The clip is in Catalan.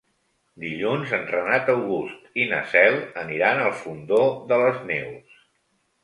Dilluns en Renat August i na Cel aniran al Fondó de les Neus.